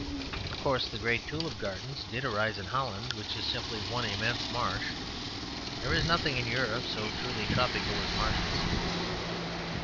Of course the great tulip gardens did arise in Holland; which is simply one immense marsh. There is nothing in Europe so truly tropical as marshes.